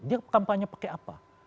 dia kampanye pakai apa